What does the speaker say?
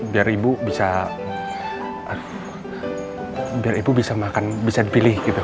biar ibu bisa biar ibu bisa makan bisa dipilih gitu